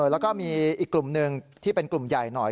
แล้วก็มีอีกกลุ่มหนึ่งที่เป็นกลุ่มใหญ่หน่อย